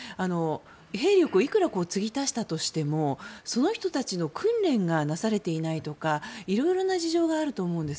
兵力をいくら継ぎ足したとしてもその人たちの訓練がなされていないとかいろいろな事情があると思うんです。